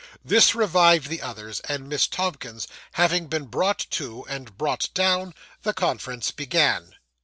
This revived the others; and Miss Tomkins having been brought to, and brought down, the conference began.